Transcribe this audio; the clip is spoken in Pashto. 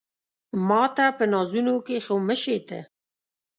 ماته په نازونو کې خو مه شې ته